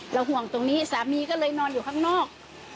ห่วงตรงนี้สามีก็เลยนอนอยู่ข้างนอก